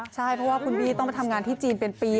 ใช่เพราะว่าคุณบี้ต้องไปทำงานที่จีนเป็นปี